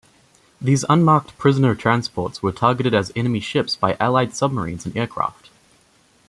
These unmarked prisoner transports were targeted as enemy ships by Allied submarines and aircraft.